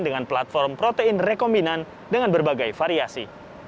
dengan platform protein rekombinan dengan berbagai variasi